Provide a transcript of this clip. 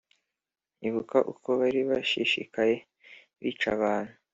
ibuka uko bari bashishikaye bica abantu